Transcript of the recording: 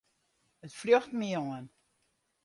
It fljocht my oan.